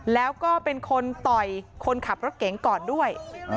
แล้วก็เป็นคนต่อยคนขับรถเก๋งก่อนด้วย